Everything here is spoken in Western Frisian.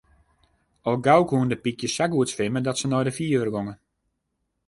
Al gau koenen de pykjes sa goed swimme dat se nei de fiver gongen.